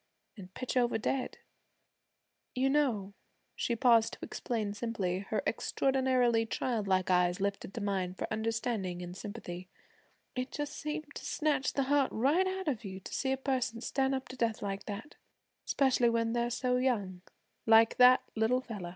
an' pitch over dead. You know,' she paused to explain simply, her extraordinarily childlike eyes lifted to mine for understanding and sympathy, 'it just seems to snatch the heart right out of you to see a person stand up to death like that 'specially when they're so young, like that little fella.'